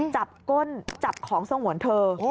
ก้นจับของสงวนเธอ